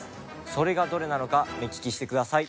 それがどれなのか目利きしてください。